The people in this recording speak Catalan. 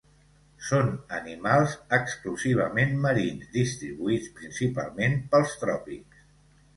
Són animals exclusivament marins distribuïts principalment pels tròpics.